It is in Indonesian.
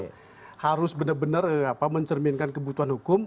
apbn itu benar benar mencerminkan kebutuhan hukum